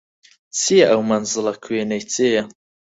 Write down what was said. چییە ئەو مەنزڵە کوێنەی جێیە